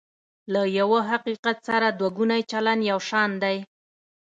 له یوه حقیقت سره دوه ګونی چلند یو شان دی.